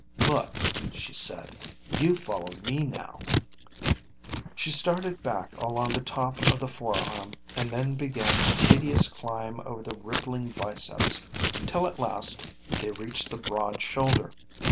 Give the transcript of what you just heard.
"Look," she said. "You follow me now." She started back along the top of the forearm and then began the tedious climb over the rippling biceps, till at last they reached the broad shoulder.